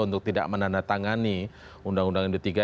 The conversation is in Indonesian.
untuk tidak menandatangani undang undang indutiga